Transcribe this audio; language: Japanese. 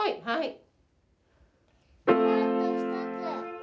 はい。